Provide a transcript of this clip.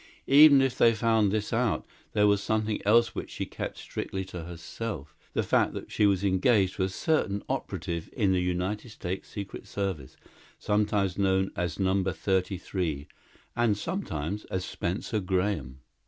Even if they found this out, there was something else which she kept strictly to herself the fact that she was engaged to a certain operative in the United States Secret Service, sometimes known as Number Thirty three, and sometimes as Spencer Graham.